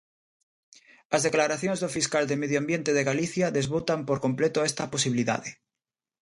As declaracións do fiscal de Medio Ambiente de Galicia desbotan por completo esta posibilidade.